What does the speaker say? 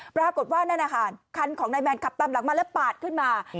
ปรากฏว่านั่นนะคะคันของนายแมนขับตามหลังมาแล้วปาดขึ้นมา